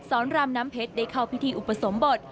ซ้อนรามน้ำเพชรได้เข้าพิธีอุปสรมบท